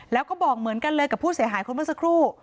แล้วก็บอกเหมือนกันเลยกับผู้เสียหายคนเมื่อสักครู่